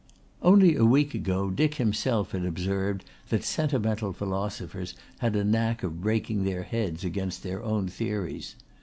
Only a week ago Dick himself had observed that sentimental philosophers had a knack of breaking their heads against their own theories.